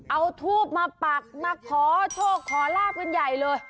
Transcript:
เอาทูบมาปักมาขอโชคขอลาบกันใหญ่เลย